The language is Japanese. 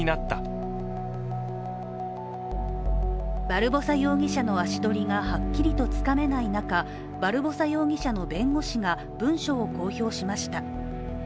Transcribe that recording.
バルボサ容疑者の足取りがはっきりとつかめない中、バルボサ容疑者の弁護士が文書を公表しました。